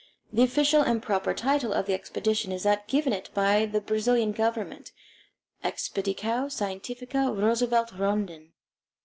The official and proper title of the expedition is that given it by the Brazilian Government: Expedicao Scientifica Roosevelt Rondon.